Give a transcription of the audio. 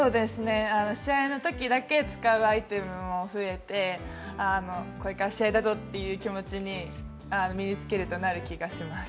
試合のときだけ使うアイテムも増えて、これから試合だぞっていう気持ちに、身につけるとなる気がします。